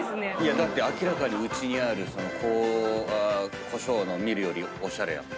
だって明らかにうちにあるこしょうのミルよりおしゃれやもん。